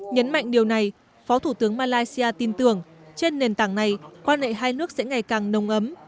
nhấn mạnh điều này phó thủ tướng malaysia tin tưởng trên nền tảng này quan hệ hai nước sẽ ngày càng nồng ấm